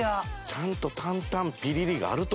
ちゃんと担々ピリリがあると。